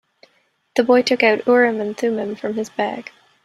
The boy took out Urim and Thummim from his bag.